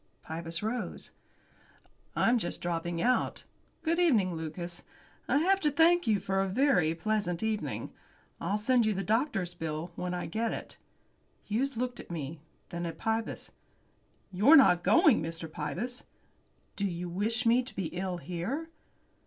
Pybus rose. "I'm just dropping out. Good evening, Lucas. I have to thank you for a very pleasant evening. I'll send you the doctor's bill when I get it." Hughes looked at me, then at Pybus. "You're not going, Mr. Pybus?" "Do you wish me to be ill here?"